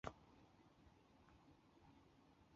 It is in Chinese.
南京朝天宫冶山原有卞壸祠墓。